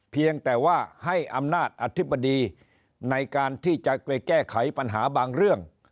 เพียงแต่ว่าให้อำนาจอธิบดีในการที่จะไปแก้ไขปัญหาบางเรื่อง